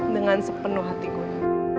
dengan sepenuh hati gua